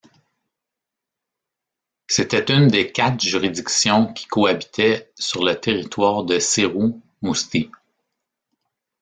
C'était une des quatre juridictions qui cohabitaient sur le territoire de Céroux-Mousty.